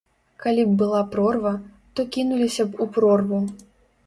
Калі б была прорва, то кінуліся б у прорву.